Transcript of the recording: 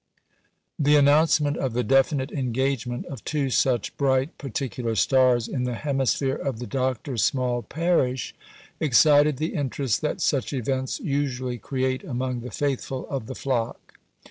THE announcement of the definite engagement of two such bright particular stars in the hemisphere of the Doctor's small parish excited the interest that such events usually create among the faithful of the flock.